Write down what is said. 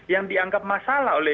yang dianggap masalah oleh